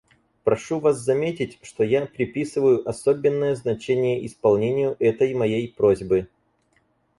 Прошу вас заметить, что я приписываю особенное значение исполнению этой моей просьбы.